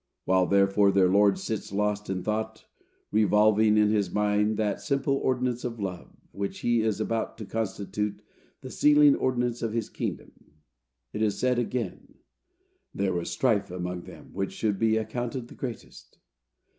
While therefore their Lord sits lost in thought, revolving in his mind that simple ordinance of love which he is about to constitute the sealing ordinance of his kingdom, it is said again, "There was a strife among them which should be accounted the greatest."